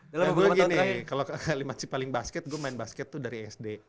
ya gue gini kalo kalimat si paling basket gue main basket tuh dari sd